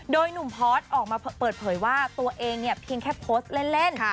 โดยหนุ่มพอร์ตออกมาเปิดเผยว่าตัวเองเนี่ยเพียงแค่โพสต์เล่น